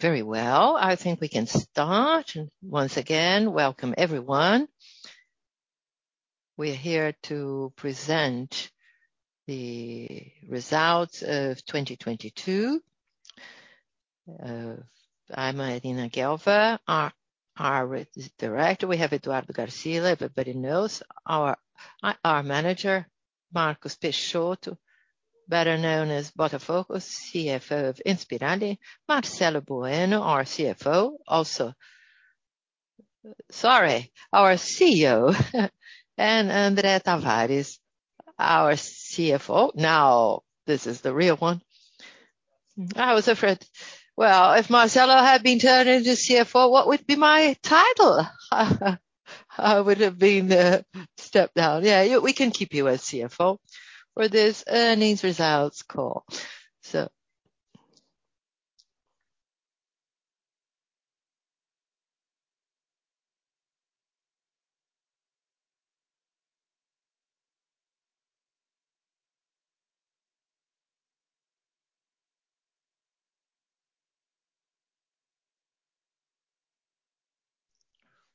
Very well. I think we can start. Once again, welcome everyone. We're here to present the results of 2022. I'm Marina Oehling Gelman, our director. We have Eduardo Parente, everybody knows. Our manager, Marcos Peixoto, better known as Botafogo, Chief Financial Officer of Inspirali. Marcelo Battistella Bueno, our Chief Financial Officer also. Sorry, our Chief Executive Officer. André Tavares, our Chief Financial Officer. Now, this is the real one. I was afraid. Well, if Marcelo had been turned into Chief Financial Officer, what would be my title? I would have been stepped down. Yeah, we can keep you as Chief Financial Officer for this earnings results call.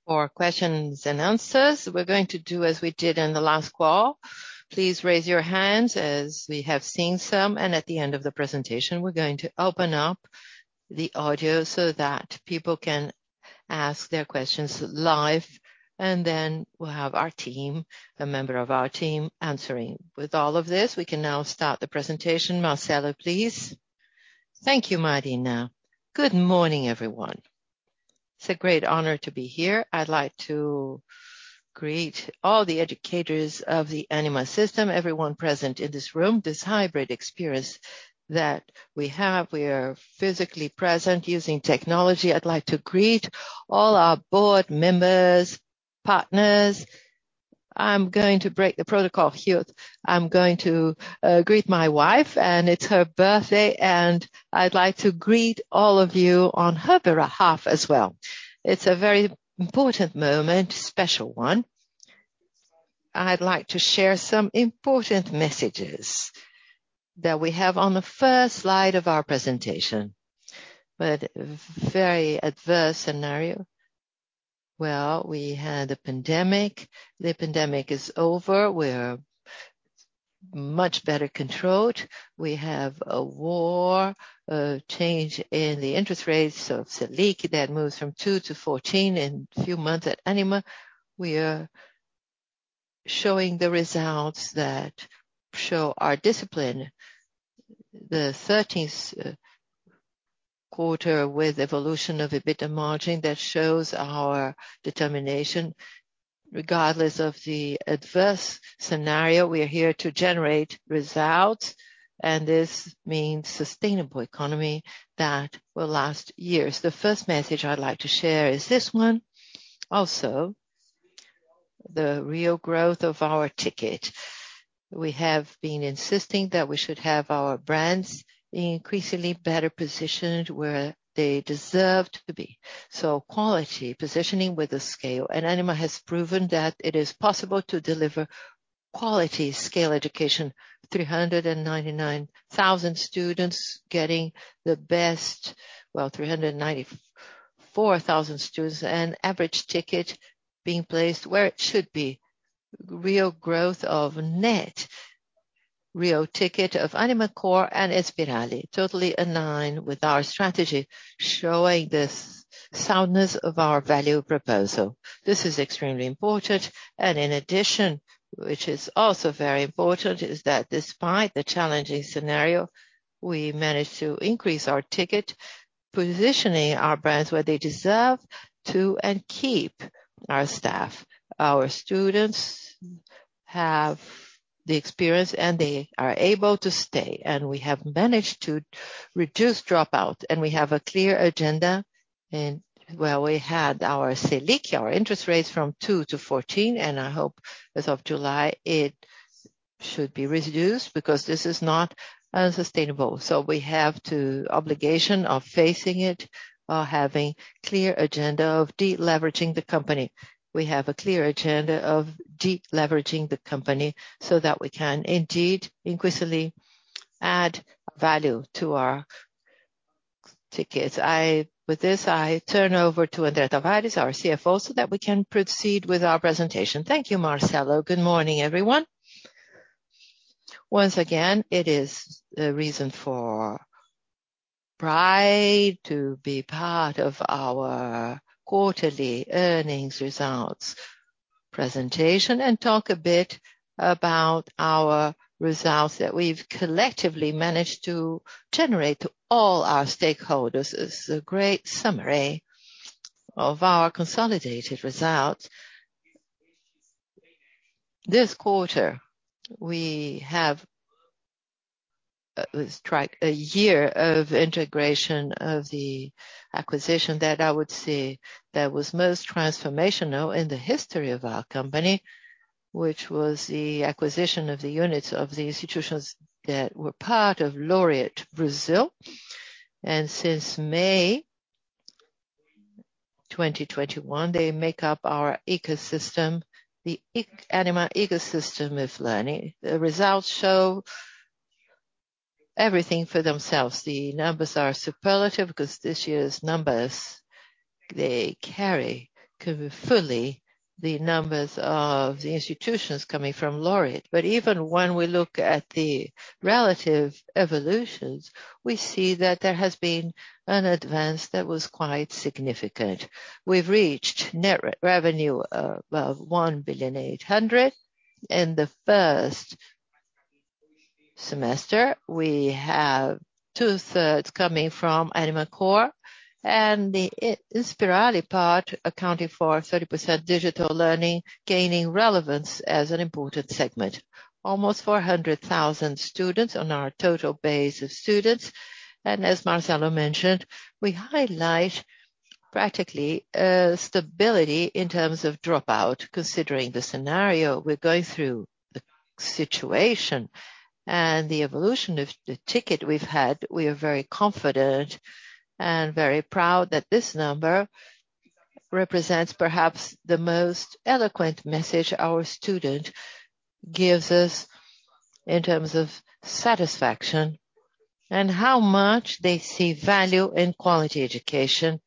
For questions and answers, we're going to do as we did in the last call. Please raise your hands as we have seen some. At the end of the presentation, we're going to open up the audio so that people can ask their questions live. We'll have our team, a member of our team answering. With all of this, we can now start the presentation. Marcelo, please. Thank you, Marina. Good morning, everyone. It's a great honor to be here. I'd like to greet all the educators of the Ânima system, everyone present in this room, this hybrid experience that we have. We are physically present using technology. I'd like to greet all our board members, partners. I'm going to break the protocol here. I'm going to greet my wife, and it's her birthday, and I'd like to greet all of you on her behalf as well. It's a very important moment, special one. I'd like to share some important messages that we have on the first slide of our presentation. With very adverse scenario. Well, we had a pandemic. The pandemic is over. We're much better controlled. We have a war, a change in the interest rates of Selic that moves from two to 14 in few months. At Ânima, we are showing the results that show our discipline. The 13th quarter with evolution of EBITDA margin that shows our determination. Regardless of the adverse scenario, we are here to generate results, and this means sustainable economy that will last years. The first message I'd like to share is this one. Also, the real growth of our ticket. We have been insisting that we should have our brands increasingly better positioned where they deserved to be. Quality positioning with the scale. Ânima has proven that it is possible to deliver quality scale education. 399,000 students getting the best. Well, 394,000 students and average ticket being placed where it should be. Real growth of net, real ticket of Ânima Core and Inspirali, totally in line with our strategy, showing the soundness of our value proposition. This is extremely important. In addition, which is also very important, is that despite the challenging scenario, we managed to increase our ticket, positioning our brands where they deserve to and keep our staff. Our students have the experience, and they are able to stay. We have managed to reduce dropout, and we have a clear agenda. Well, we had our Selic, our interest rates from 2% - 14%, and I hope as of July, it should be reduced because this is not unsustainable. We have the obligation of facing it, having clear agenda of de-leveraging the company. We have a clear agenda of de-leveraging the company so that we can indeed increasingly add value to our tickets. With this, I turn over to André Tavares, our Chief Financial Officer, so that we can proceed with our presentation. Thank you, Marcelo. Good morning, everyone. Once again, it is a reason for pride to be part of our quarterly earnings results presentation and talk a bit about our results that we've collectively managed to generate to all our stakeholders. It's a great summary of our consolidated results. This quarter, we have struck a year of integration of the acquisition that I would say that was most transformational in the history of our company, which was the acquisition of the units of the institutions that were part of Laureate Brazil since May 2021. They make up our ecosystem, the Ânima ecosystem of learning. The results show everything for themselves. The numbers are superlative because this year's numbers, they carry fully the numbers of the institutions coming from Laureate. Even when we look at the relative evolutions, we see that there has been an advance that was quite significant. We've reached net revenue of 1.8 billion in the first semester. We have two-thirds coming from Ânima Core and the Inspirali part accounting for 30% digital learning gaining relevance as an important segment. Almost 400,000 students on our total base of students. As Marcelo mentioned, we highlight practically stability in terms of dropout, considering the scenario we're going through, the situation and the evolution of the ticket we've had. We are very confident and very proud that this number represents perhaps the most eloquent message our student gives us in terms of satisfaction and how much they see value in quality education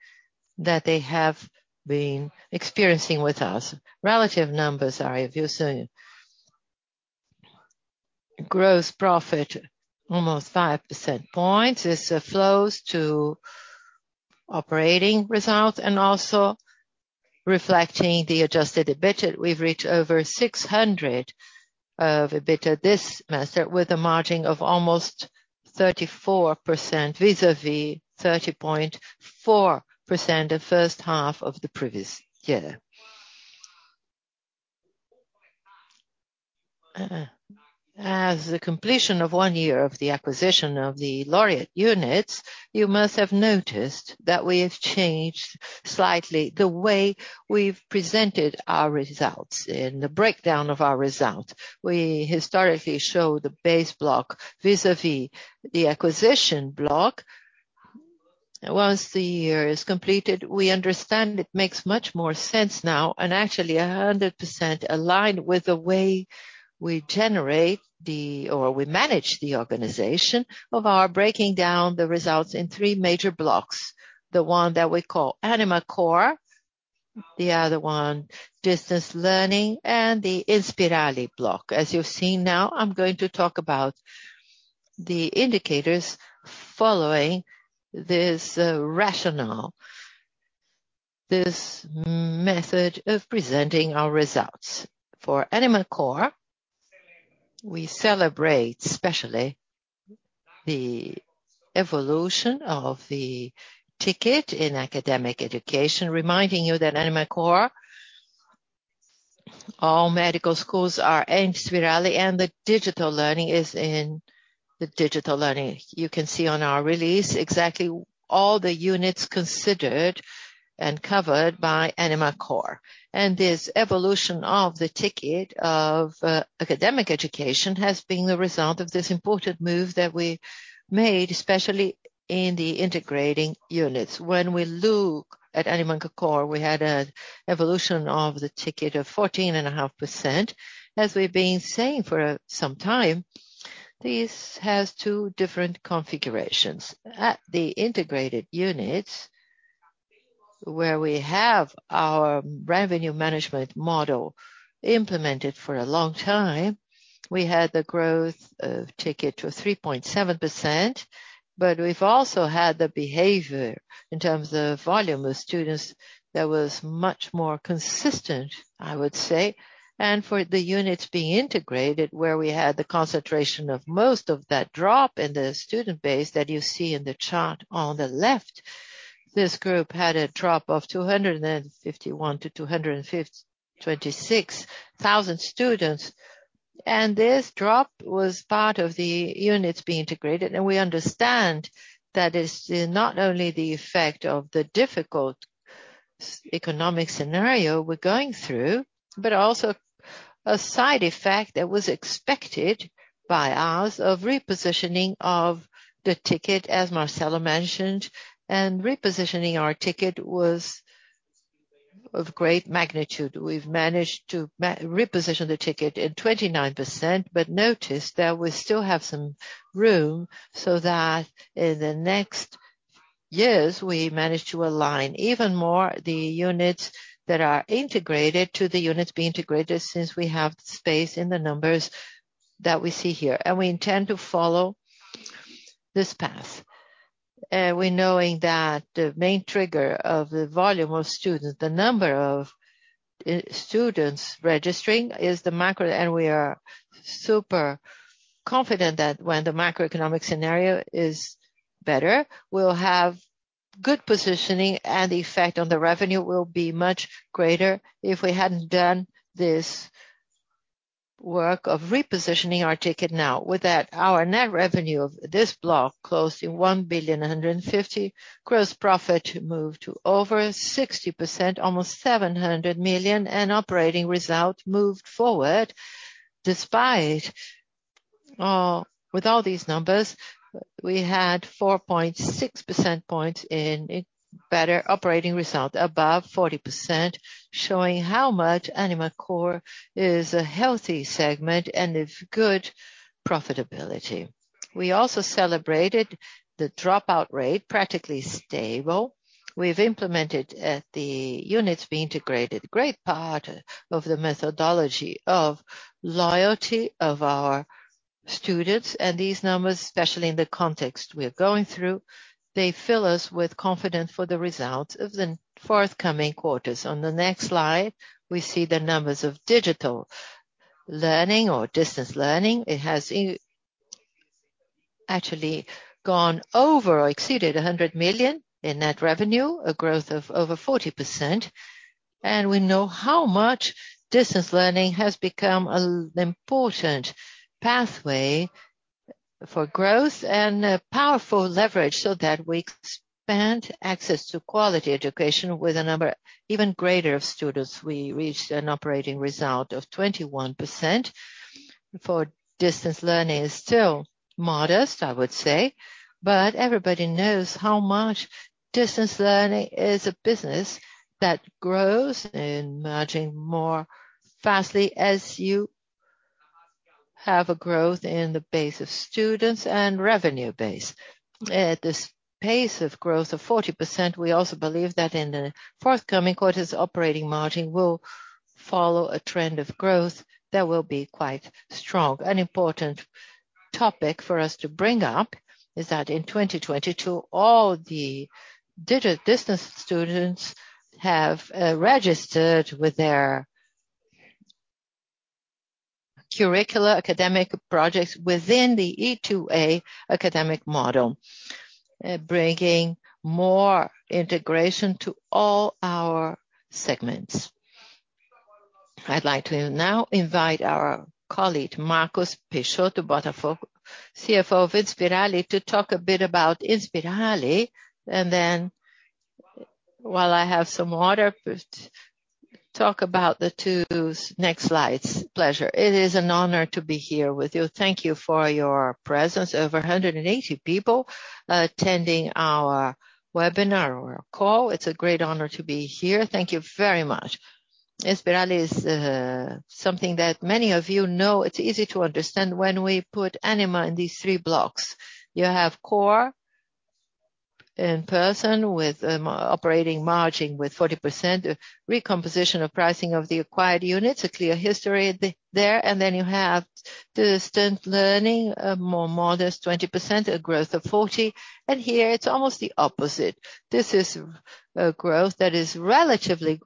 that they have been experiencing with us. Relative numbers are as you're seeing. Gross profit almost 5 percentage points. This flows to operating results and also reflecting the adjusted EBITDA. We've reached over 600 million EBITDA this semester with a margin of almost 34% vis-à-vis 30.4% the first half of the previous year. As the completion of one year of the acquisition of the Laureate units, you must have noticed that we have changed slightly the way we've presented our results. In the breakdown of our results, we historically show the base block vis-à-vis the acquisition block. Once the year is completed, we understand it makes much more sense now and actually 100% aligned with the way we generate or we manage the organization of our breaking down the results in three major blocks. The one that we call Ânima Core, the other one Ânima Learning and the Inspirali block. As you've seen now, I'm going to talk about the indicators following this rationale, this method of presenting our results. For Ânima Core, we celebrate especially the evolution of the ticket in academic education, reminding you that Ânima Core, all medical schools are in Inspirali and the digital learning is in the digital learning. You can see on our release exactly all the units considered and covered by Ânima Core. This evolution of the ticket of academic education has been the result of this important move that we made, especially in the integrating units. When we look at Ânima Core, we had an evolution of the ticket of 14.5%. As we've been saying for some time, this has two different configurations. At the integrated units, where we have our revenue management model implemented for a long time, we had the growth of ticket to 3.7%, but we've also had the behavior in terms of volume of students that was much more consistent, I would say. For the units being integrated, where we had the concentration of most of that drop in the student base that you see in the chart on the left, this group had a drop of 251,000-256,000 students. This drop was part of the units being integrated. We understand that it's not only the effect of the difficult economic scenario we're going through, but also a side effect that was expected by us of repositioning of the ticket, as Marcelo mentioned, and repositioning our ticket was of great magnitude. We've managed to reposition the ticket in 29%, but notice that we still have some room so that in the next years, we manage to align even more the units that are integrated to the units being integrated, since we have space in the numbers that we see here. We intend to follow this path. We knowing that the main trigger of the volume of students, the number of students registering is the macro. We are super confident that when the macroeconomic scenario is better, we'll have good positioning, and the effect on the revenue will be much greater if we hadn't done this work of repositioning our ticket now. With that, our net revenue of this block closed in 1.15 billion. Gross profit moved to over 60%, almost 700 million, and operating result moved forward despite, with all these numbers, we had 4.6 percentage points in a better operating result, above 40%, showing how much Ânima Core is a healthy segment and a good profitability. We also celebrated the dropout rate, practically stable. We've implemented at the units we integrated great part of the methodology of loyalty of our students. These numbers, especially in the context we are going through, they fill us with confidence for the results of the forthcoming quarters. On the next slide, we see the numbers of digital learning or distance learning. It has actually gone over or exceeded 100 million in net revenue, a growth of over 40%. We know how much distance learning has become an important pathway for growth and a powerful leverage so that we expand access to quality education with a number even greater of students. We reached an operating result of 21% for distance learning. It is still modest, I would say. Everybody knows how much distance learning is a business that grows and margin more vastly as you have a growth in the base of students and revenue base. At this pace of growth of 40%, we also believe that in the forthcoming quarters, operating margin will follow a trend of growth that will be quite strong. An important topic for us to bring up is that in 2022, all the distance students have registered with their curricular academic projects within the E2A academic model, bringing more integration to all our segments. I'd like to now invite our colleague, Marcos Peixoto, Chief Financial Officer of Inspirali, to talk a bit about Inspirali. Then while I have some water, please talk about the two next slides. Pleasure. It is an honor to be here with you. Thank you for your presence. Over 180 people attending our webinar or call. It's a great honor to be here. Thank you very much. Inspirali is something that many of you know. It's easy to understand when we put Ânima in these three blocks. You have Ânima Core in-person with operating margin with 40%, recomposition of pricing of the acquired units, a clear history there. Then you have distance learning, a more modest 20%, a growth of 40%. Here it's almost the opposite. This is a growth that is relatively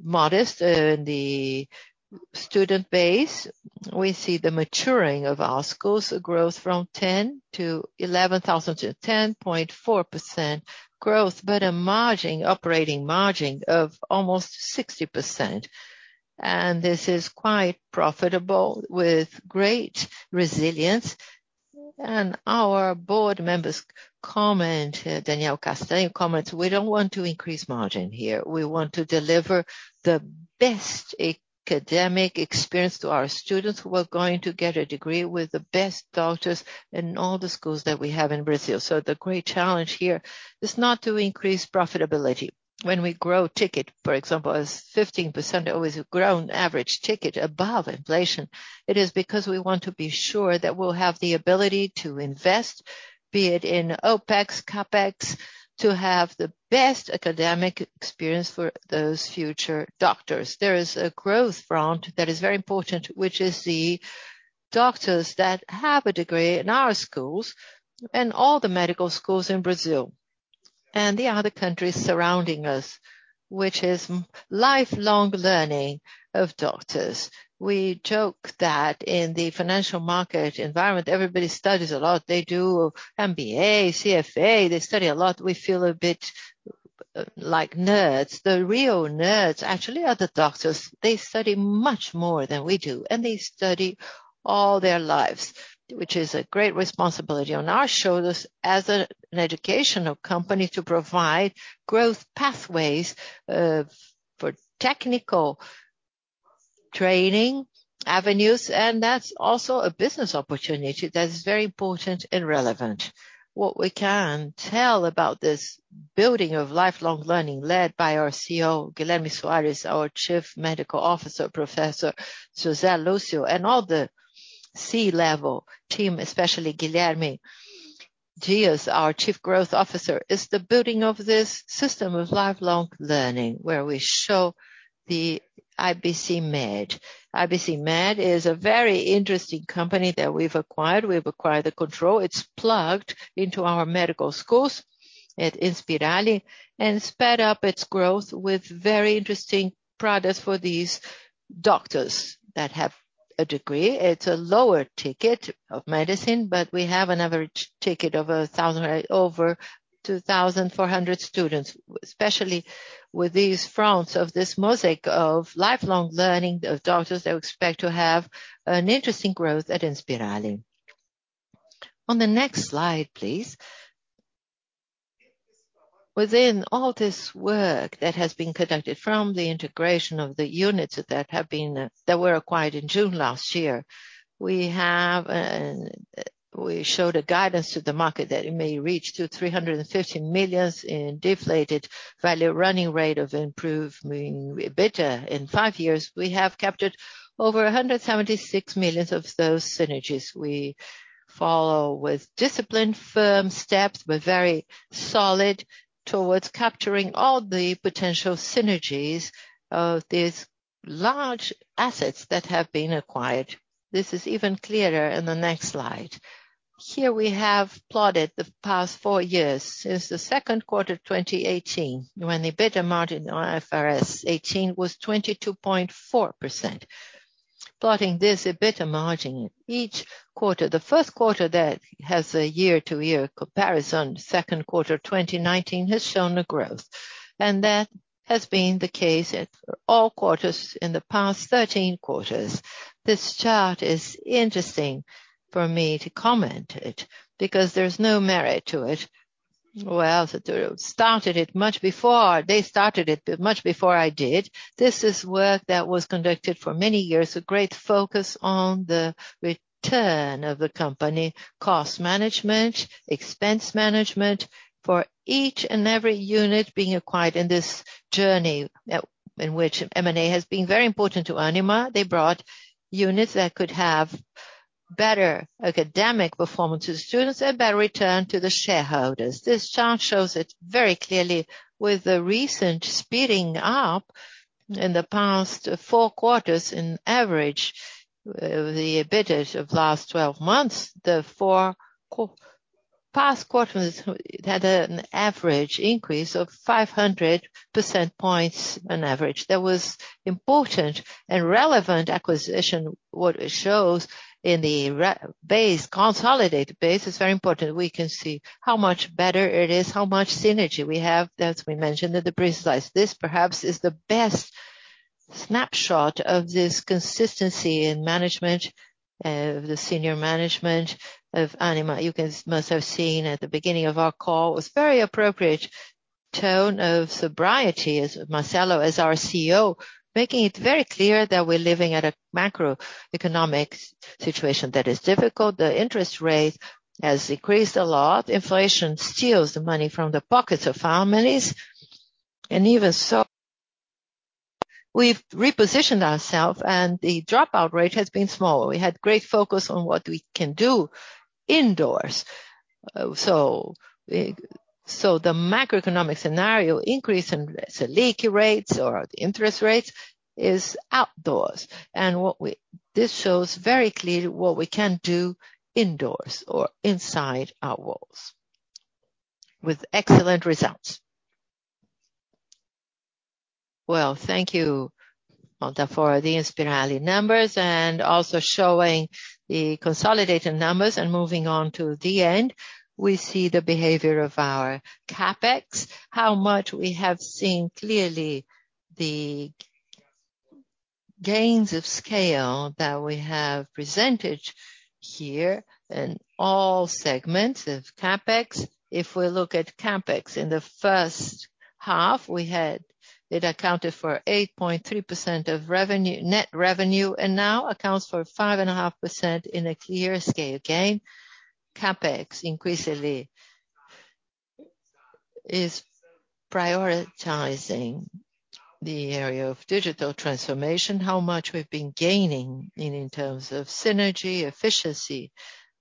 modest. The student base, we see the maturing of our schools, a growth from 10,000 - 11,000 - 10.4% growth, but a margin, operating margin of almost 60%. This is quite profitable with great resilience. Our board members comment. Daniel Castello comments, "We don't want to increase margin here. We want to deliver the best academic experience to our students who are going to get a degree with the best doctors in all the schools that we have in Brazil." The great challenge here is not to increase profitability. When we grow ticket, for example, as 15% or with grown average ticket above inflation, it is because we want to be sure that we'll have the ability to invest, be it in OPEX, CapEx, to have the best academic experience for those future doctors. There is a growth front that is very important, which is the doctors that have a degree in our schools and all the medical schools in Brazil and the other countries surrounding us, which is lifelong learning of doctors. We joke that in the financial market environment, everybody studies a lot. They do MBA, CFA, they study a lot. We feel a bit like nerds. The real nerds actually are the doctors. They study much more than we do, and they study all their lives, which is a great responsibility on our shoulders as an educational company to provide growth pathways, for technical training avenues. That's also a business opportunity that is very important and relevant. What we can tell about this building of lifelong learning led by our Chief Financial Officer, Guilherme Soares, our chief medical officer, Professor Suzana Lutfi, and all the C-level team, especially Guilherme Dias, our chief growth officer, is the building of this system of lifelong learning, where we show Ibcmed. Ibcmed is a very interesting company that we've acquired. We've acquired the control. It's plugged into our medical schools at Inspirali and sped up its growth with very interesting products for these doctors that have a degree. It's a lower ticket of medicine, but we have an average ticket of 1,000, over 2,400 students, especially with these fronts of this mosaic of lifelong learning of doctors that we expect to have an interesting growth at Inspirali. On the next slide, please. Within all this work that has been conducted from the integration of the units that were acquired in June last year, we have we showed a guidance to the market that it may reach to 315 million in deflated value-running rate of improvement EBITDA in five years. We have captured over 176 million of those synergies. We follow with disciplined, firm steps. We're very solid towards capturing all the potential synergies of these large assets that have been acquired. This is even clearer in the next slide. Here we have plotted the past four years, since the second quarter of 2018, when the EBITDA margin on IFRS 16 was 22.4%. Plotting this EBITDA margin each quarter. The first quarter that has a year-to-year comparison, second quarter of 2019 has shown a growth. That has been the case at all quarters in the past 13 quarters. This chart is interesting for me to comment it because there's no merit to it. They started it much before I did. This is work that was conducted for many years, a great focus on the return of the company, cost management, expense management for each and every unit being acquired in this journey, in which M&A has been very important to Ânima. They brought units that could have better academic performance to the students and better return to the shareholders. This chart shows it very clearly with the recent speeding up in the past four quarters in average, the EBITDAs of last 12 months. The four past quarters had an average increase of 500 percentage points on average. That was important and relevant acquisition. What it shows in the rebased, consolidated base is very important. We can see how much better it is, how much synergy we have, as we mentioned in the brief slides. This perhaps is the best snapshot of this consistency in management, the senior management of Ânima. You guys must have seen at the beginning of our call, it was very appropriate tone of sobriety as Marcelo, as our Chief Financial Officer, making it very clear that we're living at a macroeconomic situation that is difficult. The interest rate has increased a lot. Inflation steals the money from the pockets of families. Even so, we've repositioned ourselves and the dropout rate has been small. We had great focus on what we can do indoors. The macroeconomic scenario increase in Selic rates or the interest rates is adverse. This shows very clearly what we can do indoors or inside our walls with excellent results. Well, thank you, Marcus, for the Inspirali numbers and also showing the consolidated numbers. Moving on to the end, we see the behavior of our CapEx, how much we have seen clearly the gains of scale that we have presented here in all segments of CapEx. If we look at CapEx in the first half, it accounted for 8.3% of net revenue, and now accounts for 5.5% in a clear scale gain. CapEx increasingly is prioritizing the area of digital transformation, how much we've been gaining in terms of synergy, efficiency.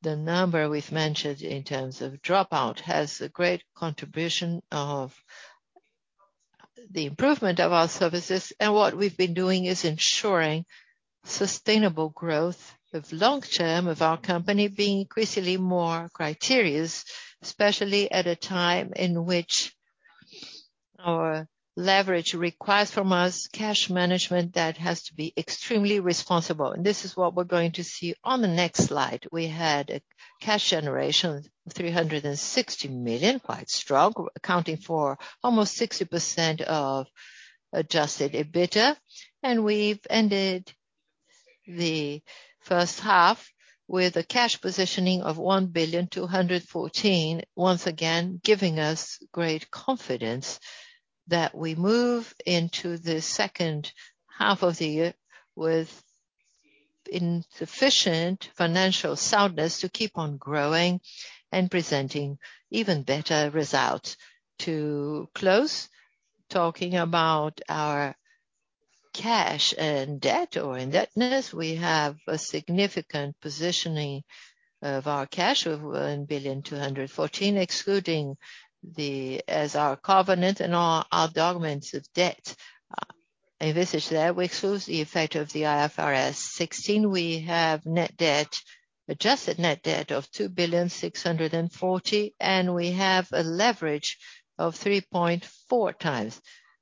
The number we've mentioned in terms of dropout has a great contribution of the improvement of our services. What we've been doing is ensuring sustainable growth of long-term of our company being increasingly more criterious, especially at a time in which our leverage requires from us cash management that has to be extremely responsible. This is what we're going to see on the next slide. We had a cash generation of 360 million, quite strong, accounting for almost 60% of adjusted EBITDA. We've ended the first half with a cash positioning of 1,214 million. Once again, giving us great confidence that we move into the second half of the year with sufficient financial soundness to keep on growing and presenting even better results. To close, talking about our cash and debt or indebtedness, we have a significant positioning of our cash of 1.214 billion, excluding as our covenant and all our documents of debt envisioned there. We exclude the effect of the IFRS 16. We have net debt adjusted net debt of 2.64 billion, and we have a leverage of 3.4x.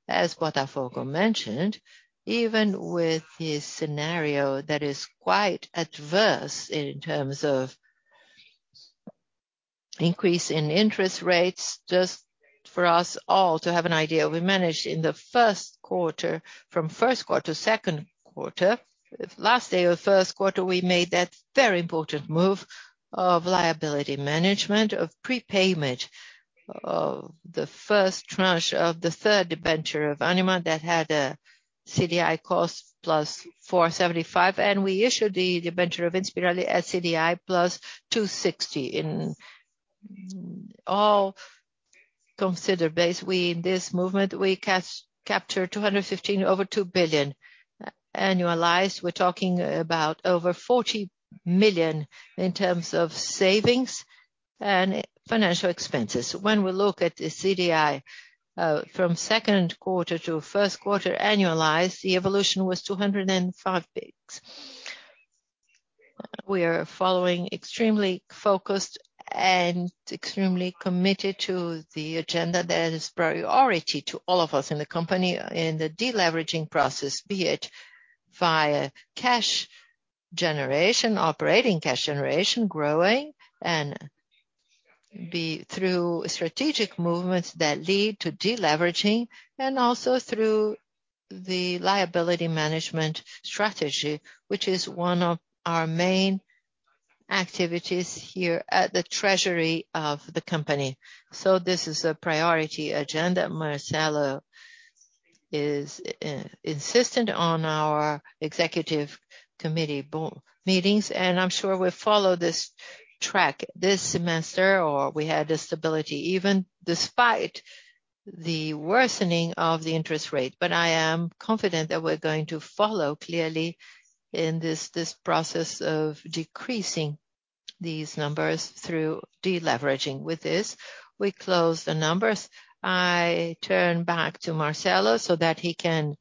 As Marcus mentioned, even with this scenario that is quite adverse in terms of increase in interest rates. Just for us all to have an idea, we managed in the first quarter from first quarter, second quarter. Last day of the first quarter, we made that very important move of liability management of prepayment of the first tranche of the third debenture of Ânima that had a CDI cost +475, and we issued the debenture of Inspirali at CDI +260. In all consider base, in this movement, we captured 215 over 2 billion. Annualized, we're talking about over 40 million in terms of savings and financial expenses. When we look at the CDI, from second quarter to first quarter annualized, the evolution was 205 basis points. We are following extremely focused and extremely committed to the agenda that is priority to all of us in the company in the deleveraging process, be it via cash generation, operating cash generation, growing and via through strategic movements that lead to deleveraging, and also through the liability management strategy, which is one of our main activities here at the treasury of the company. This is a priority agenda Marcelo is insistent on our executive committee board meetings, and I'm sure we'll follow this track this semester as we have the stability even despite the worsening of the interest rate. I am confident that we're going to follow clearly in this process of decreasing these numbers through deleveraging. With this, we close the numbers. I turn back to Marcelo so that he can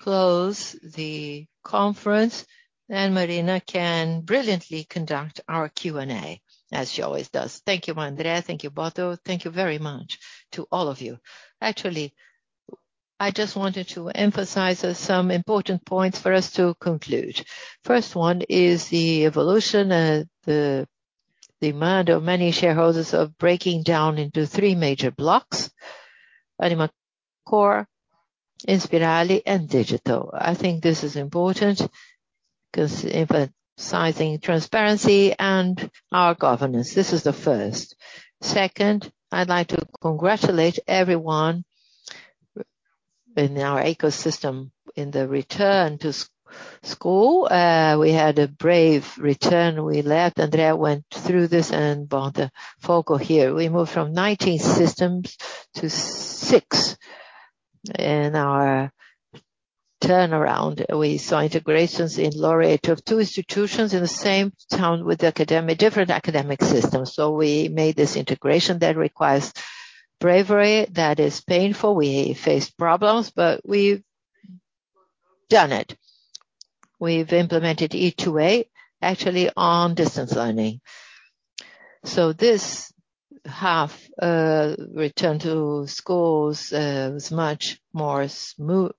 close the conference, and Marina can brilliantly conduct our Q&A, as she always does. Thank you, André. Thank you, Marcus. Thank you very much to all of you. Actually, I just wanted to emphasize some important points for us to conclude. First one is the evolution, the demand of many shareholders of breaking down into three major blocks: Ânima Core, Inspirali, and Digital. I think this is important 'cause emphasizing transparency and our governance. This is the first. Second, I'd like to congratulate everyone in our ecosystem in the return to school. We had a brave return. We left, André went through this and Marcus focused here. We moved from 19 systems to six in our turnaround. We saw integrations in Laureate of two institutions in the same town with different academic systems. We made this integration that requires bravery. That is painful. We faced problems, but we've done it. We've implemented E2A actually on distance learning. This half return to schools was much more smooth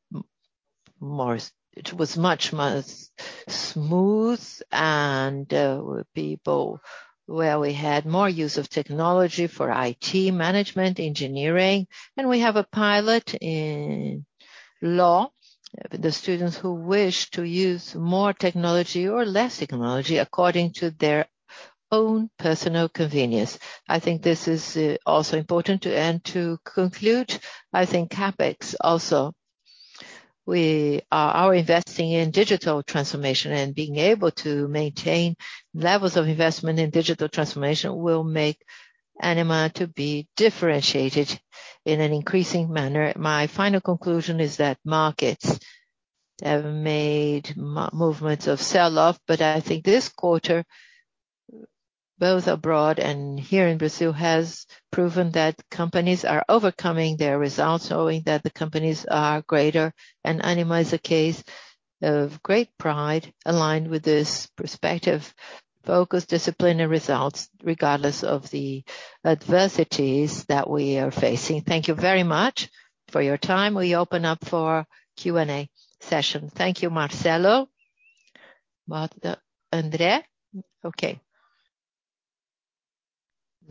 and we had more use of technology for IT management, engineering, and we have a pilot in law for the students who wish to use more technology or less technology according to their own personal convenience. I think this is also important to end. To conclude, I think CapEx also. We are investing in digital transformation, and being able to maintain levels of investment in digital transformation will make Ânima to be differentiated in an increasing manner. My final conclusion is that markets have made movements of sell-off, but I think this quarter, both abroad and here in Brazil, has proven that companies are overcoming their results, showing that the companies are greater. Ânima is a case of great pride aligned with this perspective, focus, discipline, and results, regardless of the adversities that we are facing. Thank you very much for your time. We open up for Q&A session. Thank you, Marcelo. Botto, André. Okay.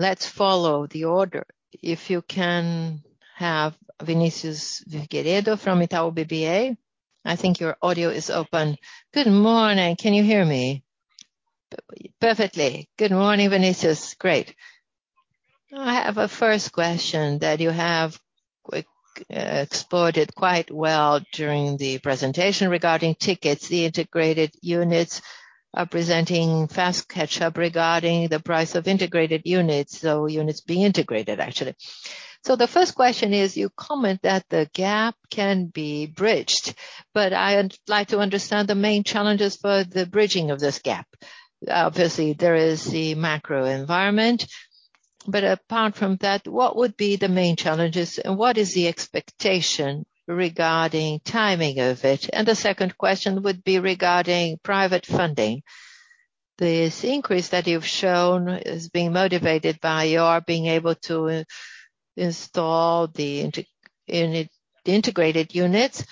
Let's follow the order. If you can have Vinicius Figueiredo from Itaú BBA. I think your audio is open. Good morning. Can you hear me? Perfectly. Good morning, Vinicius. Great. I have a first question that you have explored quite well during the presentation regarding tuitions. The integrated units are presenting fast catch-up regarding the price of integrated units, so units being integrated actually. The first question is, you comment that the gap can be bridged, but I'd like to understand the main challenges for the bridging of this gap. Obviously, there is the macro environment, but apart from that, what would be the main challenges, and what is the expectation regarding timing of it? The second question would be regarding private funding. This increase that you've shown is being motivated by your being able to install the integrated units,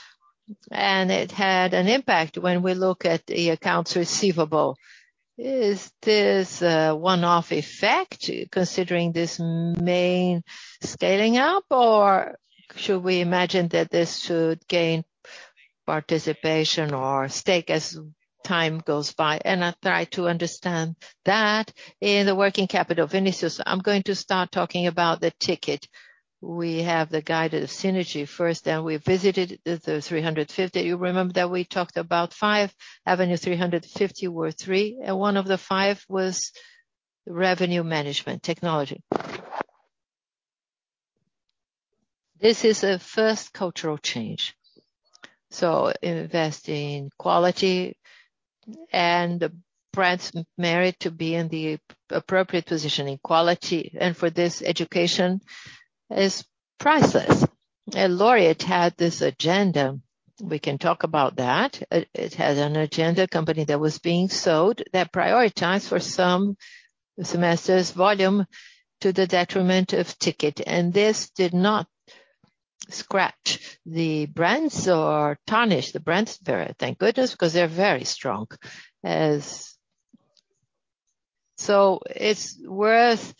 and it had an impact when we look at the accounts receivable. Is this a one-off effect considering this main scaling up, or should we imagine that this should gain participation or stake as time goes by? I try to understand that in the working capital. Vinicius, I'm going to start talking about the ticket. We have the guided synergy first, then we visited the 350. You remember that we talked about five. Avenue 350 were three, and one of the five was revenue management technology. This is a first cultural change. Invest in quality and the brands merit to be in the appropriate position in quality. For this, education is priceless. Laureate had this agenda. We can talk about that. It had an agenda. Company that was being sold that prioritized for some semesters volume to the detriment of ticket. This did not scratch the brands or tarnish the brands spirit, thank goodness, because they're very strong. It's worth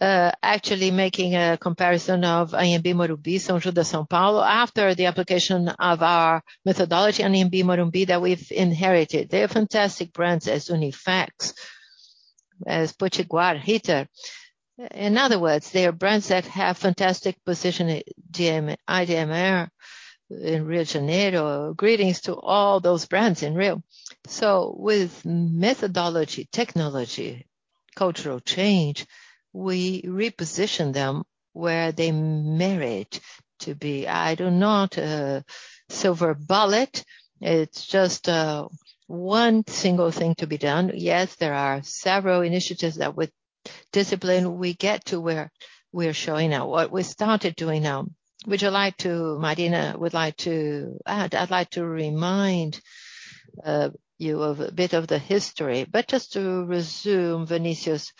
actually making a comparison of Anhembi Morumbi, São Judas, São Paulo after the application of our methodology on Anhembi Morumbi that we've inherited. They are fantastic brands as Unifacs, as Porchat Heater. In other words, they are brands that have fantastic position at IBMR in Rio de Janeiro. Greetings to all those brands in Rio. With methodology, technology, cultural change, we reposition them where they merit to be. I don't have a silver bullet. It's just, one single thing to be done. Yes, there are several initiatives that with discipline, we get to where we're showing now. What we started doing now. Marina would like to add. I'd like to remind you of a bit of the history. Just to resume, Vinícius,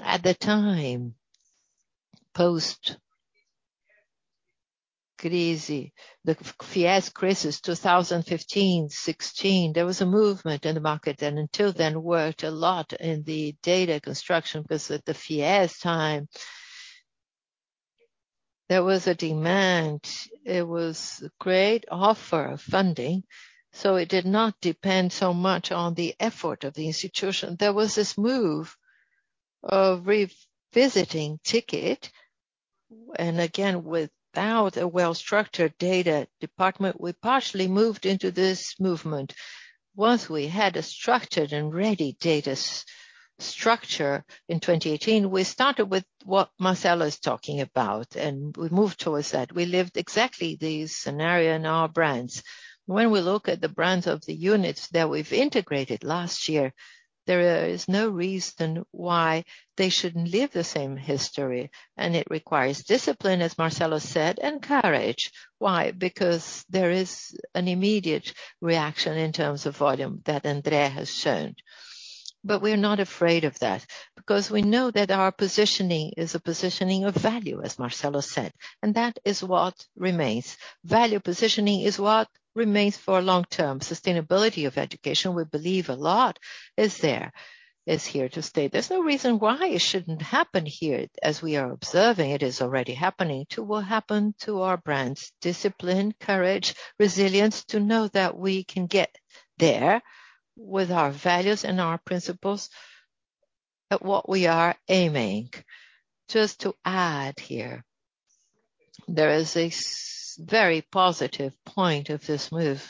at the time, post-crisis, the FIES crisis, 2015, 2016, there was a movement in the market and until then worked a lot in the data construction, because at the FIES time, there was a demand. It was a great offer of funding. It did not depend so much on the effort of the institution. There was this move of revisiting ticket, and again, without a well-structured data department, we partially moved into this movement. Once we had a structured and ready data structure in 2018, we started with what Marcelo is talking about, and we moved towards that. We lived exactly the scenario in our brands. When we look at the brands of the units that we've integrated last year, there is no reason why they shouldn't live the same history. It requires discipline, as Marcelo said, and courage. Why? Because there is an immediate reaction in terms of volume that André has shown. We're not afraid of that because we know that our positioning is a positioning of value, as Marcelo said, and that is what remains. Value positioning is what remains for long-term sustainability of education. We believe a lot is here to stay. There's no reason why it shouldn't happen here, as we are observing it is already happening to what happened to our brands. Discipline, courage, resilience, to know that we can get there with our values and our principles at what we are aiming. Just to add here, there is a very positive point of this move.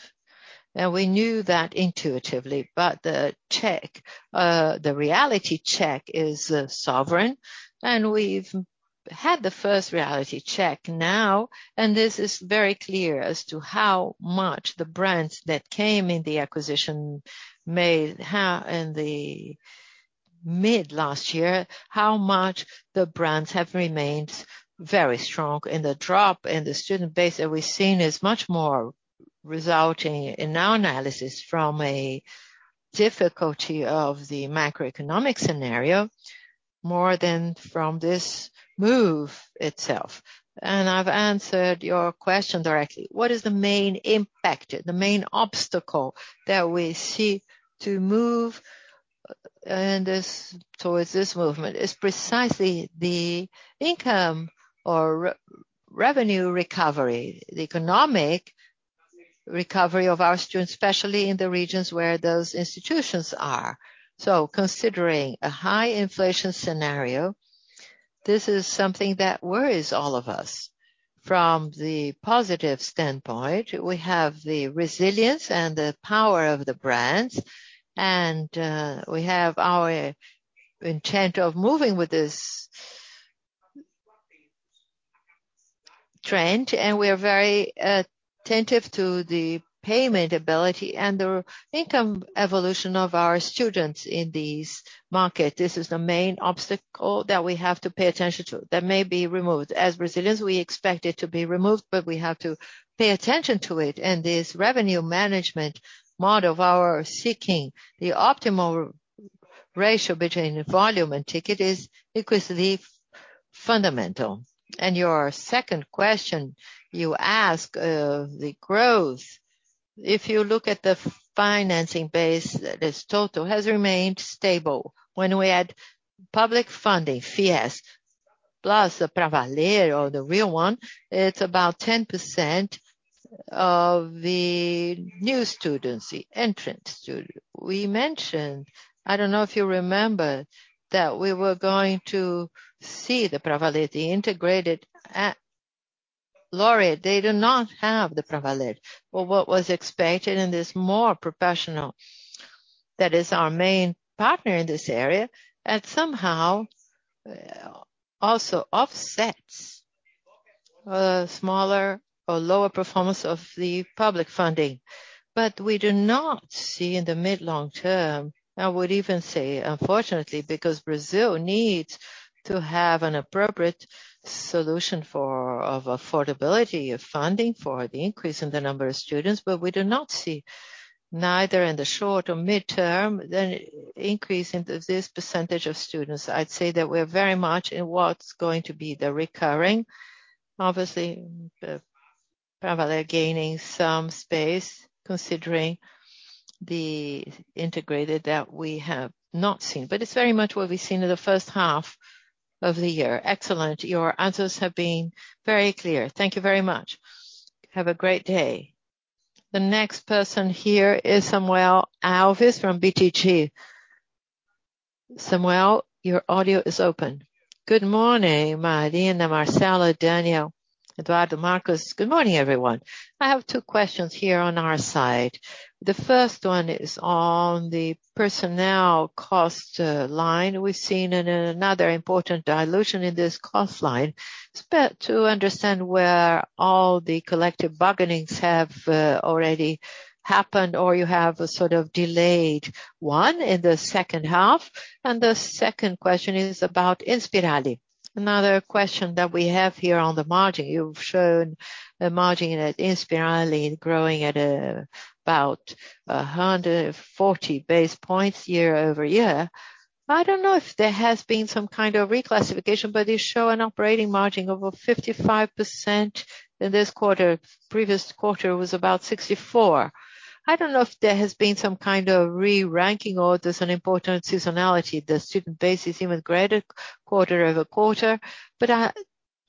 Now, we knew that intuitively, but the reality check is sovereign, and we've had the first reality check now, and this is very clear as to how much the brands that came in the acquisition made in the mid last year have remained very strong in the drop in the student base that we've seen is much more resulting in our analysis from a difficulty of the macroeconomic scenario more than from this move itself. I've answered your question directly. What is the main impact, the main obstacle that we see to move us towards this movement? Is precisely the income or revenue recovery, the economic recovery of our students, especially in the regions where those institutions are. Considering a high inflation scenario, this is something that worries all of us. From the positive standpoint, we have the resilience and the power of the brands, and we have our intent of moving with this trend, and we are very attentive to the payment ability and the income evolution of our students in this market. This is the main obstacle that we have to pay attention to that may be removed. As resilience, we expect it to be removed, but we have to pay attention to it. This revenue management model of our seeking the optimal ratio between volume and ticket is increasingly fundamental. Your second question, you ask, the growth. If you look at the financing base, this total has remained stable. When we add public funding FIES, plus the Pravaler or the real one, it's about 10% of the new students, the entrance student. We mentioned, I don't know if you remember, that we were going to see the Pravaler, the integrated at Laureate. They do not have the Pravaler. But what was expected, and is more professional, that is our main partner in this area, that somehow, also offsets, smaller or lower performance of the public funding. But we do not see in the mid-long term, I would even say, unfortunately, because Brazil needs to have an appropriate solution for of affordability of funding for the increase in the number of students. We do not see, neither in the short or mid-term, the increase in this percentage of students. I'd say that we're very much in what's going to be the recurring. Obviously, the Pravaler gaining some space, considering the integrated that we have not seen. It's very much what we've seen in the first half of the year. Excellent. Your answers have been very clear. Thank you very much. Have a great day. The next person here is Samuel Alves from BTG. Samuel, your audio is open. Good morning, Marina, Marcelo, Daniel, Eduardo, Marcos. Good morning, everyone. I have two questions here on our side. The first one is on the personnel cost line. We've seen another important dilution in this cost line. To better understand where all the collective bargainings have already happened, or you have a sort of delayed one in the second half. The second question is about Inspirali. Another question that we have here on the margin. You've shown a margin at Inspirali growing at about 140 basis points year-over-year. I don't know if there has been some kind of reclassification, but you show an operating margin of over 55% in this quarter. Previous quarter was about 64%. I don't know if there has been some kind of reclassification or there's an important seasonality. The student base is even greater quarter-over-quarter.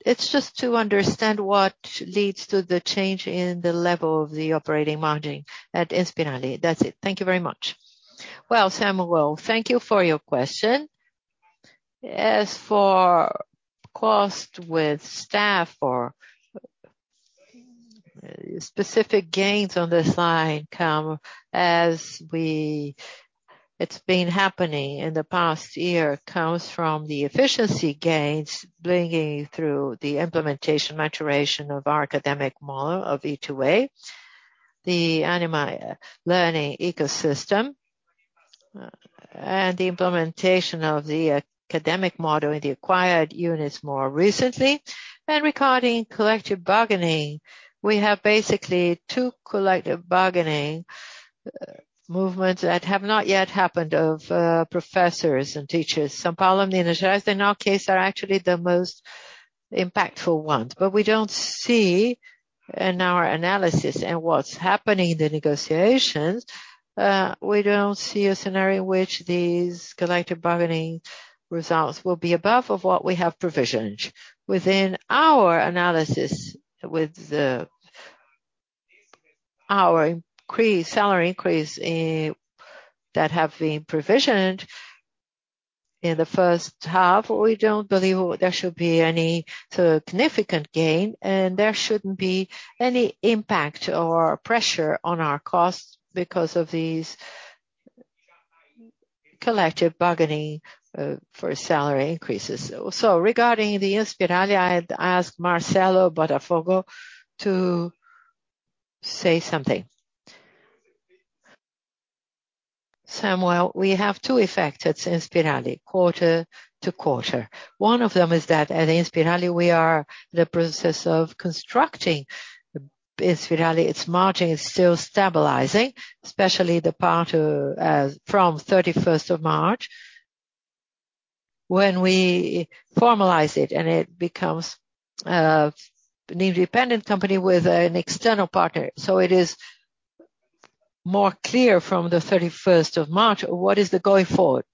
It's just to understand what leads to the change in the level of the operating margin at Inspirali. That's it. Thank you very much. Well, Samuel, thank you for your question. As for cost with staff or specific gains on this line, it's been happening in the past year, comes from the efficiency gains bringing through the implementation maturation of our academic model of E2A, the Ânima Learning Ecosystem, and the implementation of the academic model in the acquired units more recently. Regarding collective bargaining, we have basically two collective bargaining movements that have not yet happened of professors and teachers. São Paulo and Minas Gerais, in our case, are actually the most impactful ones. We don't see in our analysis and what's happening in the negotiations, we don't see a scenario in which these collective bargaining results will be above of what we have provisioned. Within our analysis our salary increase that have been provisioned in the first half, we don't believe there should be any significant gain and there shouldn't be any impact or pressure on our costs because of these collective bargaining for salary increases. Regarding the Inspirali, I'd ask Marcelo Bueno to say something. Samuel, we have two effects at Inspirali quarter-to-quarter. One of them is that at Inspirali, we are in the process of constructing Inspirali. Its margin is still stabilizing, especially the part as from thirty-first of March, when we formalize it and it becomes an independent company with an external partner. It is more clear from the thirty-first of March what is the going forward.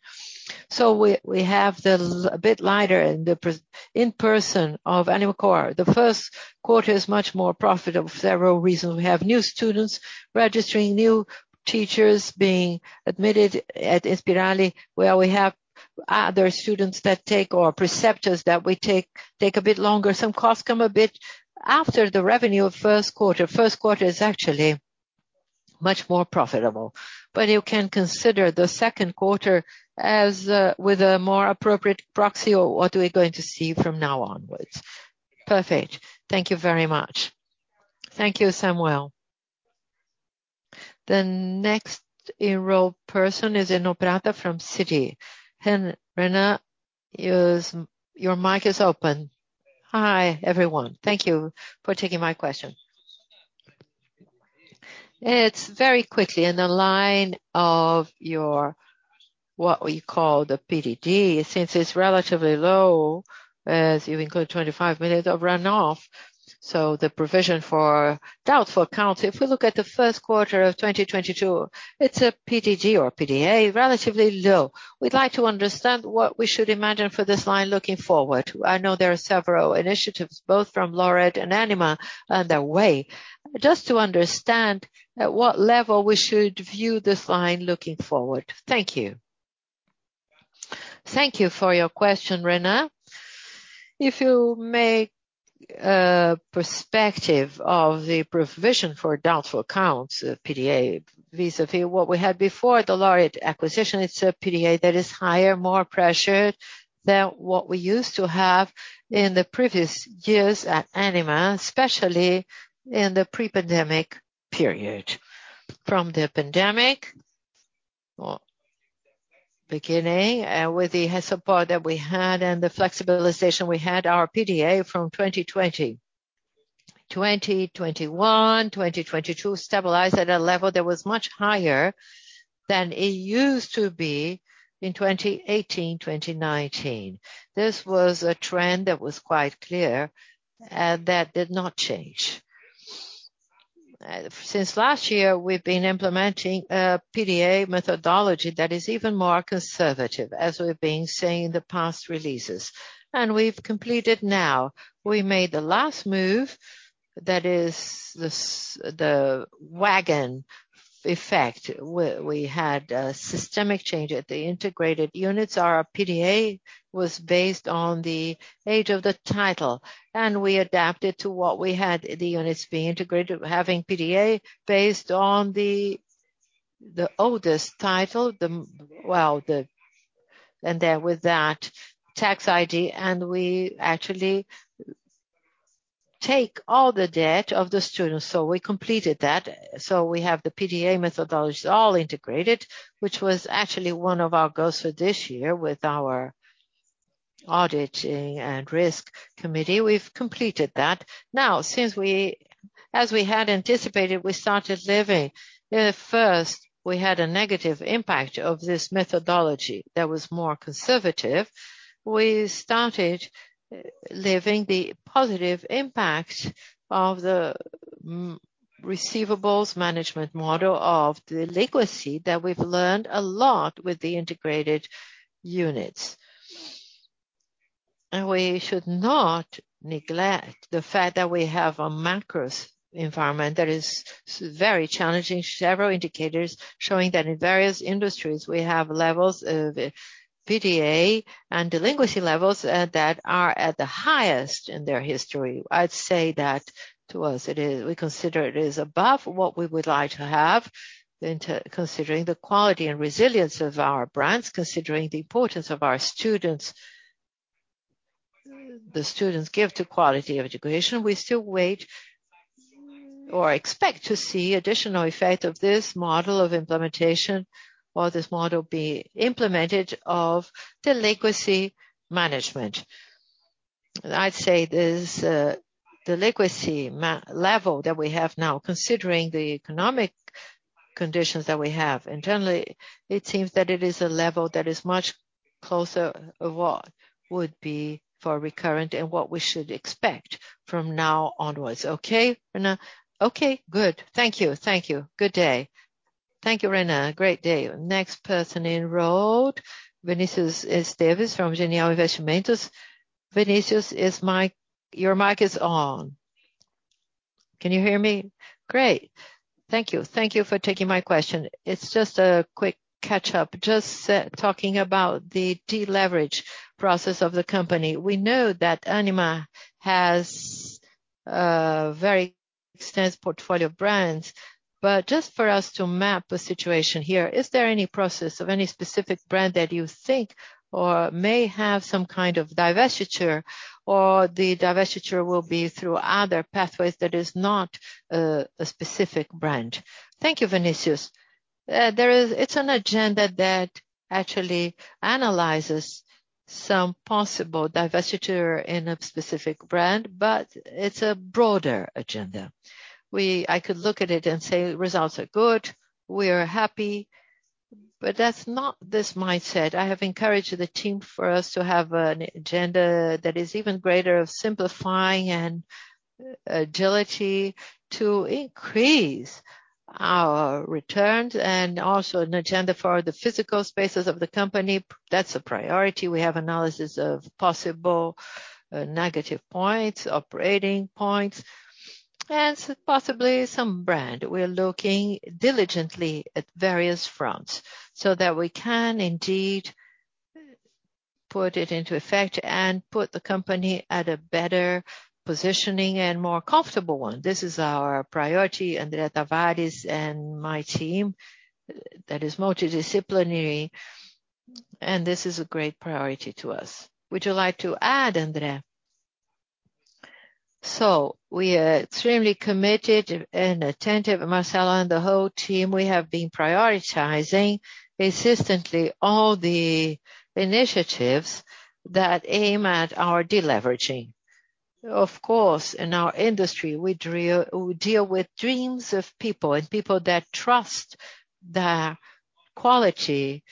We have a bit lighter in the presence of Ânima Core. The first quarter is much more profitable for several reasons. We have new students registering, new teachers being admitted at Inspirali, where we have other students that take or preceptors that we take a bit longer. Some costs come a bit after the revenue of first quarter. First quarter is actually much more profitable. You can consider the second quarter as with a more appropriate proxy of what we're going to see from now onwards. Perfect. Thank you very much. Thank you, Samuel. The next enrolled person is Renata from Citi. Renata, your mic is open. Hi, everyone. Thank you for taking my question. It's very quickly in the line of your what we call the PDD, since it's relatively low as you include 25 million of runoff. So the provision for doubtful accounts. If we look at the first quarter of 2022, it's a PDG or PDA, relatively low. We'd like to understand what we should imagine for this line looking forward. I know there are several initiatives, both from Laureate and Ânima on their way. Just to understand at what level we should view this line looking forward. Thank you. Thank you for your question, Renata. If you make perspective of the provision for doubtful accounts, PDA, vis-à-vis what we had before the Laureate acquisition, it's a PDA that is higher, more pressured than what we used to have in the previous years at Ânima, especially in the pre-pandemic period. From the pandemic, beginning with the support that we had and the flexibilization we had, our PDD from 2020, 2021, 2022 stabilized at a level that was much higher than it used to be in 2018, 2019. This was a trend that was quite clear, that did not change. Since last year, we've been implementing a PDD methodology that is even more conservative, as we've been saying in the past releases. We've completed now. We made the last move that is the wagon effect, where we had a systemic change at the integrated units. Our PDD was based on the age of the title, and we adapted to what we had, the units being integrated, having PDD based on the oldest title. With that tax ID, and we actually take all the debt of the students. We completed that. We have the PDD methodology all integrated, which was actually one of our goals for this year with our auditing and risk committee. We've completed that. Now, as we had anticipated, first, we had a negative impact of this methodology that was more conservative. We started living the positive impact of the receivables management model of delinquency that we've learned a lot with the integrated units. We should not neglect the fact that we have a macro environment that is very challenging. Several indicators showing that in various industries, we have levels of PDD and delinquency levels that are at the highest in their history. I'd say that to us, we consider it is above what we would like to have into considering the quality and resilience of our brands, considering the importance of our students. The students give to quality of education. We still wait or expect to see additional effect of this model of implementation or this model be implemented of delinquency management. I'd say this, delinquency level that we have now, considering the economic conditions that we have. Generally, it seems that it is a level that is much closer of what would be for recurrent and what we should expect from now onwards. Okay, Renata? Okay, good. Thank you. Thank you. Good day. Thank you, Renata. Great day. Next person in road, Vinícius Esteves from Genial Investimentos. Vinícius, your mic is on. Can you hear me? Great. Thank you. Thank you for taking my question. It's just a quick catch up. Just, talking about the deleverage process of the company. We know that Ânima has a very extensive portfolio of brands. But just for us to map the situation here, is there any process of any specific brand that you think or may have some kind of divestiture, or the divestiture will be through other pathways that is not, a specific brand? Thank you, Vinícius. It's an agenda that actually analyzes some possible divestiture in a specific brand, but it's a broader agenda. I could look at it and say results are good, we are happy, but that's not this mindset. I have encouraged the team for us to have an agenda that is even greater of simplifying and agility to increase our returns and also an agenda for the physical spaces of the company. That's a priority. We have analysis of possible negative points, operating points, and possibly some brand. We are looking diligently at various fronts so that we can indeed put it into effect and put the company at a better positioning and more comfortable one. This is our priority, André Tavares and my team that is multidisciplinary, and this is a great priority to us. Would you like to add, André? We are extremely committed and attentive. Marcelo and the whole team, we have been prioritizing consistently all the initiatives that aim at our deleveraging. Of course, in our industry we deal with dreams of people and people that trust the quality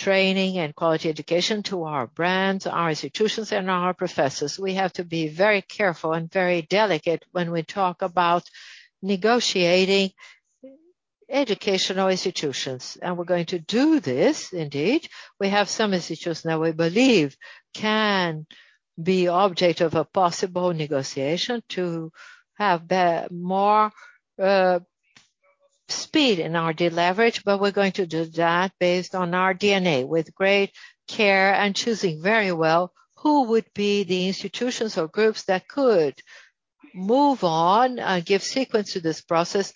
training and quality education to our brands, our institutions, and our professors. We have to be very careful and very delicate when we talk about negotiating educational institutions, and we're going to do this indeed. We have some institutions that we believe can be object of a possible negotiation to have the more speed in our deleverage. We're going to do that based on our DNA with great care and choosing very well who would be the institutions or groups that could move on, give sequence to this process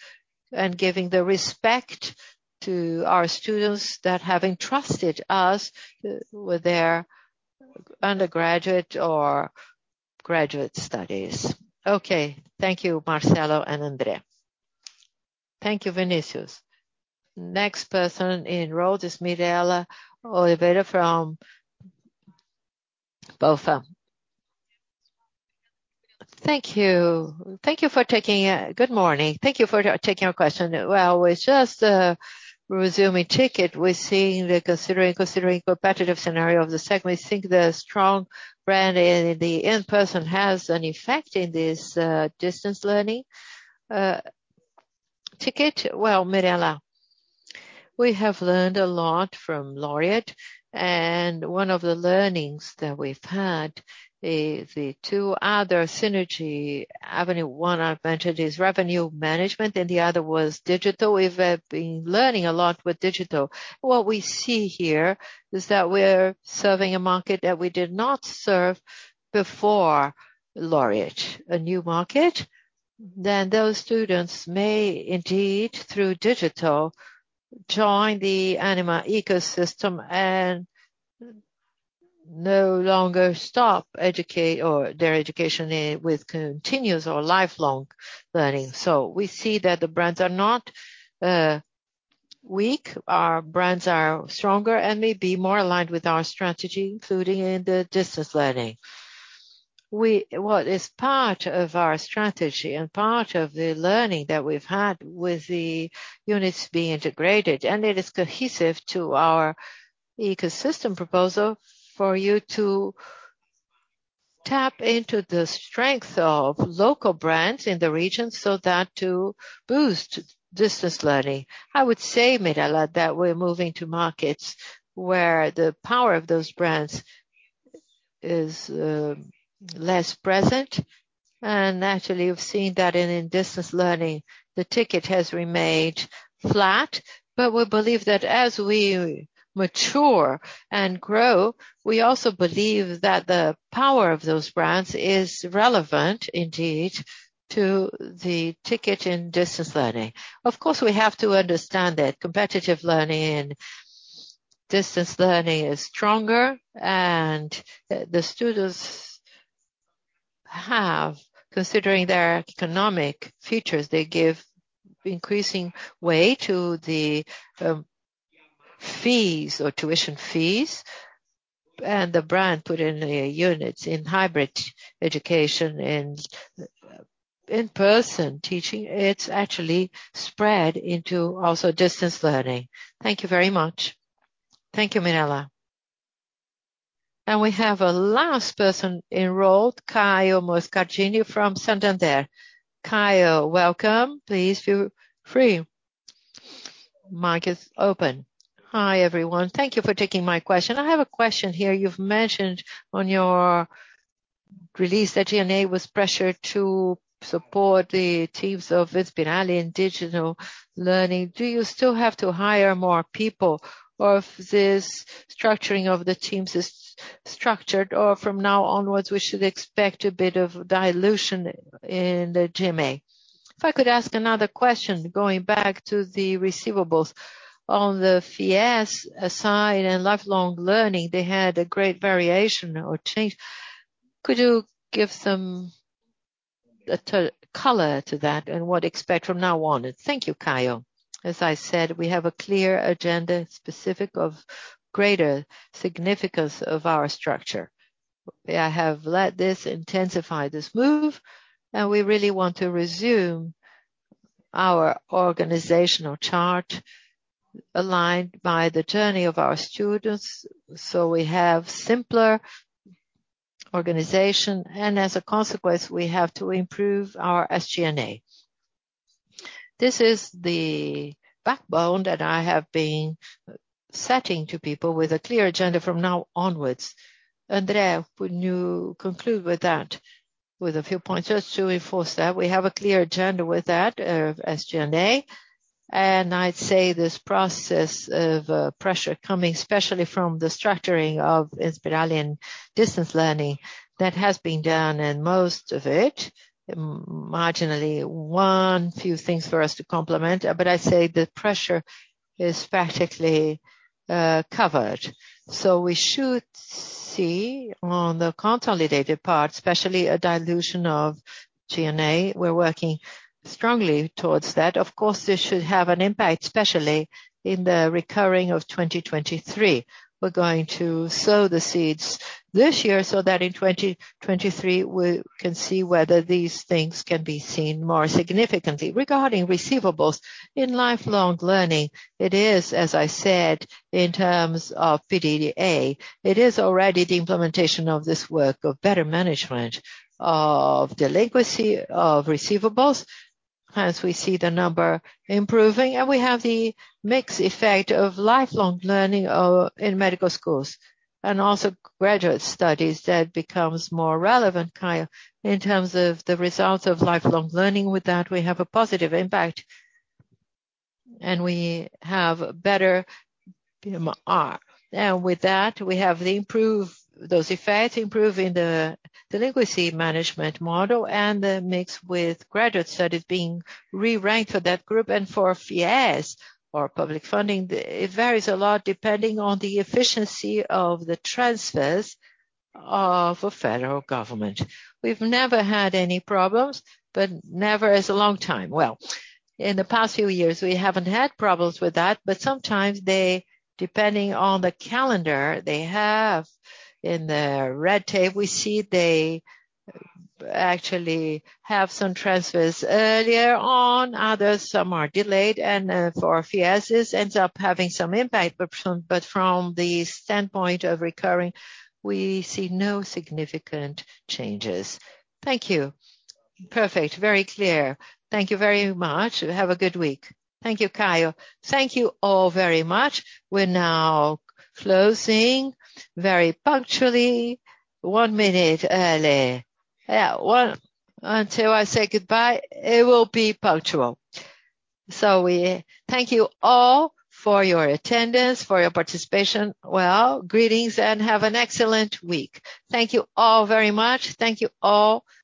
and giving the respect to our students that have entrusted us with their undergraduate or graduate studies. Okay, thank you, Marcelo and André. Thank you, Vinicius. Next person in row is Mirela Oliveira from BofA. Thank you. Thank you for taking. Good morning. Thank you for taking our question. Well, with just resuming ticket, we're seeing the considering competitive scenario of the segment. We think the strong brand and the in-person has an effect in this distance learning ticket. Well, Mirela, we have learned a lot from Laureate, and one of the learnings that we've had is the two other synergy avenue. One advantage is revenue management and the other was digital. We have been learning a lot with digital. What we see here is that we're serving a market that we did not serve before Laureate, a new market. Those students may indeed, through digital, join the Ânima ecosystem and no longer stop their education with continuous or lifelong learning. We see that the brands are not weak. Our brands are stronger and may be more aligned with our strategy, including in the distance learning. This is part of our strategy and part of the learning that we've had with the units being integrated, and it is cohesive to our ecosystem proposal for you to tap into the strength of local brands in the region so that to boost distance learning. I would say, Mirela, that we're moving to markets where the power of those brands is less present. Naturally, you've seen that in our distance learning, the ticket has remained flat. We believe that as we mature and grow, we also believe that the power of those brands is relevant indeed to the ticket in distance learning. Of course, we have to understand that competitive learning and distance learning is stronger and, the students have, considering their economic futures, they give increasing weight to the, fees or tuition fees. The brand power in the units in hybrid education and in-person teaching. It's actually spread into also distance learning. Thank you very much. Thank you, Mirela. We have a last person enrolled, Caio Moscardini from Santander. Caio, welcome. Please feel free. Mic is open. Hi, everyone. Thank you for taking my question. I have a question here. You've mentioned on your release that G&A was pressured to support the teams of Inspirali in digital learning. Do you still have to hire more people or if this structuring of the teams is structured or from now onwards, we should expect a bit of dilution in the G&A? If I could ask another question, going back to the receivables. On the FIES aside and lifelong learning, they had a great variation or change. Could you give some color to that and what to expect from now on? Thank you, Caio. As I said, we have a clear agenda specific of greater significance of our structure. I have let this intensify this move, and we really want to resume our organizational chart aligned by the journey of our students. We have simpler organization, and as a consequence, we have to improve our SG&A. This is the backbone that I have been setting to people with a clear agenda from now onwards. André, would you conclude with that with a few points just to enforce that? We have a clear agenda with that, SG&A. I'd say this process of pressure coming especially from the structuring of Inspirali and distance learning, that has been done in most of it. Marginally, a few things for us to complement. I'd say the pressure is practically covered. We should see on the consolidated part, especially a dilution of G&A. We're working strongly towards that. Of course, this should have an impact, especially in the recurring of 2023. We're going to sow the seeds this year so that in 2023 we can see whether these things can be seen more significantly. Regarding receivables in lifelong learning, it is, as I said, in terms of PDD, it is already the implementation of this work of better management of delinquency of receivables as we see the number improving. We have the mixed effect of lifelong learning in medical schools and also graduate studies that becomes more relevant, Caio, in terms of the results of lifelong learning. With that, we have a positive impact, and we have better PMR. With that, we have those effects improve in the delinquency management model and the mix with graduate studies being re-ranked for that group. For FIES or public funding, it varies a lot depending on the efficiency of the transfers of federal government. We've never had any problems, but never is a long time. Well, in the past few years we haven't had problems with that, but sometimes they, depending on the calendar they have in the red tape, we see they actually have some transfers earlier on, others, some are delayed. For FIESes ends up having some impact. From the standpoint of recurring, we see no significant changes. Thank you. Perfect. Very clear. Thank you very much. Have a good week. Thank you, Caio. Thank you all very much. We're now closing very punctually. One minute early. Until I say goodbye, it will be punctual. We thank you all for your attendance, for your participation. Well, greetings and have an excellent week. Thank you all very much. Thank you all.